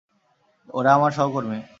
ওরা আমার সহকর্মী।